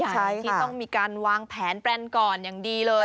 ที่ต้องมีการวางแผนแปลนก่อนอย่างดีเลย